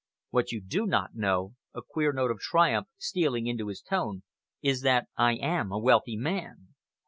What you do not know" a queer note of triumph stealing into his tone "is that I am a wealthy man."